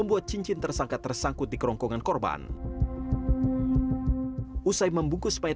menekan hari ini cerita